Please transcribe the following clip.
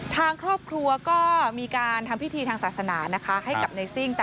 ทางครอบครัวก็มีการทำพิธีทางศาสนานะคะให้กับในซิ่ง